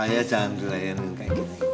saya jangan di layan kayak gini